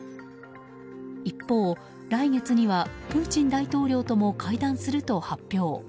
一方、来月にはプーチン大統領とも会談すると発表。